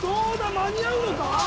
間に合うのか？